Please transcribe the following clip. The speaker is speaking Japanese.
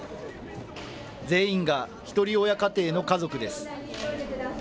全員がひとり親家庭の家族です。